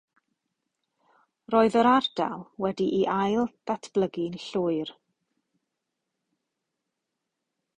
Roedd yr ardal wedi'i hail-ddatblygu'n llwyr.